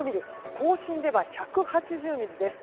甲信では１８０ミリです。